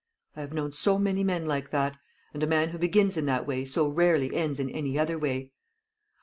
I have known so many men like that; and a man who begins in that way so rarely ends in any other way."